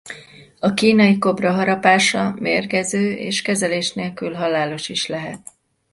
A kínai kobra harapása mérgező és kezelés nélkül halálos is lehet.